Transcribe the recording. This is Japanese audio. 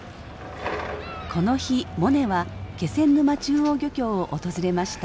この日モネは気仙沼中央漁協を訪れました。